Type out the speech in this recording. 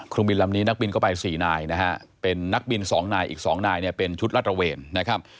คลุมบินลำนี้นักบินเข้าไปสี่นายนะฮะเป็นนักบินสองนายอีกสองนายเนี่ยเป็นชุดรัฐเวณนะครับ